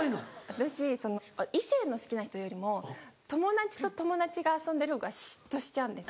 私異性の好きな人よりも友達と友達が遊んでる方が嫉妬しちゃうんですよ。